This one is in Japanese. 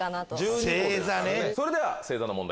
それでは星座の問題